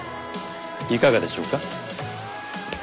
いかがでしょうか？